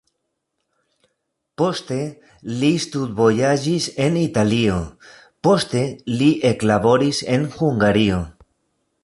Poste li studvojaĝis en Italio, poste li eklaboris en Hungario.